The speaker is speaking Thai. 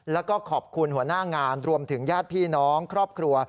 แล้วก็ขอบคุณหัวหน้างานรวมถึงญาติพี่น้องครอบครัว